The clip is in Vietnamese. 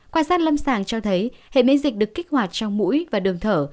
quan sát lâm sàng cho thấy hệ miễn dịch được kích hoạt trong mũi và đường thở